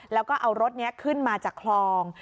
แล้วก็เอารถนี้ขึ้นมาจากคลอง